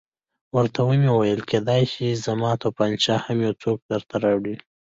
ورته ومې ویل کېدای شي زما تومانچه هم یو څوک درته راوړي.